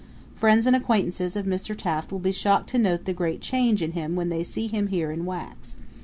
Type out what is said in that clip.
Friends and acquaintances of Mr. Taft will be shocked to note the great change in him when they see him here in wax.